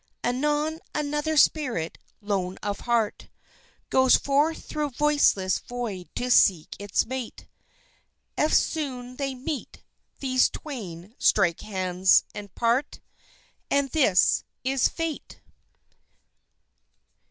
Anon, another spirit, lone of heart Goes forth thro' voiceless void to seek its mate; Eftsoon they meet, these twain, strike hands ... and part! And this is Fate.